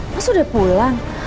mas udah pulang